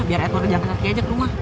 biar edwin kejangan nanti aja ke rumah